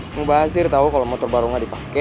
mau bahasir tau kalo motor baru gak dipake